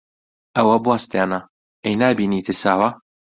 ئەوە بوەستێنە! ئەی نابینی ترساوە؟